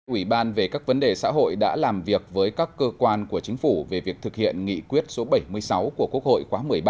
ủy ban về các vấn đề xã hội đã làm việc với các cơ quan của chính phủ về việc thực hiện nghị quyết số bảy mươi sáu của quốc hội khóa một mươi ba